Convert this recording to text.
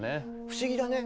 不思議だね。